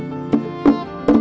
agar tidak terjadi keguguran